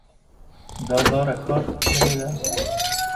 دا لاره ښار ته تللې ده